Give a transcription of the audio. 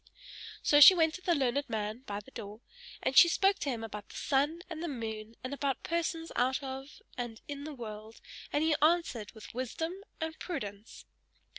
So she went to the learned man by the door, and she spoke to him about the sun and the moon, and about persons out of and in the world, and he answered with wisdom and prudence.